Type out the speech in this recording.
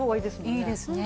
いいですね。